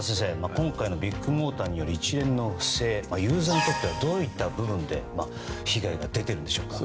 今回のビッグモーターによる一連の不正、ユーザーにとってはどういった部分で被害が出ているんでしょうか。